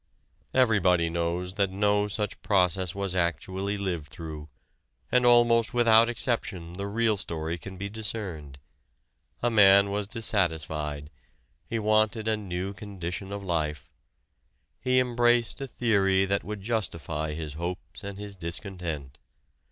Everybody knows that no such process was actually lived through, and almost without exception the real story can be discerned: a man was dissatisfied, he wanted a new condition of life, he embraced a theory that would justify his hopes and his discontent.